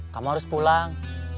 kamu harus pulang